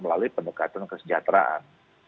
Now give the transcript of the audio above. melalui pernikahan kesejahteraan